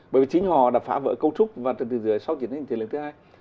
bởi vì chính họ đã phá vỡ cấu trúc và trật tự thế giới sau chiến tranh lệnh thứ hai